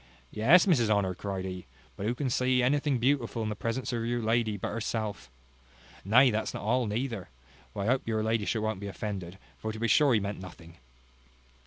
Yes, Mrs Honour, cried he; but who can see anything beautiful in the presence of your lady but herself? Nay, that's not all neither; but I hope your ladyship won't be offended, for to be sure he meant nothing.